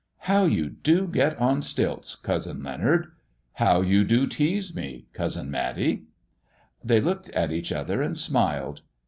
" How you do get on stilts, cousin Leonard !"" How you do tease me, cousin Matty !" They looked at each other and smiled.